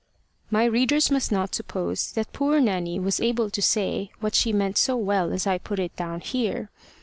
My readers must not suppose that poor Nanny was able to say what she meant so well as I put it down here.